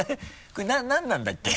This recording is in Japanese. これ何なんだっけ？